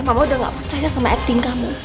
mama udah gak percaya sama acting kamu